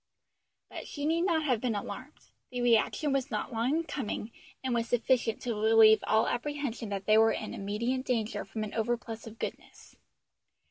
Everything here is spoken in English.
But she need not have been alarmed; the reaction was not long in coming and was sufficient to relieve all apprehension that they were in immediate danger from an overplus of goodness.